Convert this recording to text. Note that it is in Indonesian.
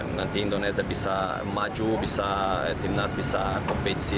nanti indonesia bisa maju bisa timnas bisa kompetisi